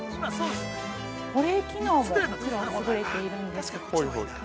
◆保冷機能ももちろん優れているんです。